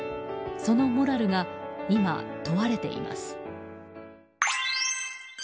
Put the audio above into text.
そのモラルが今、問われています。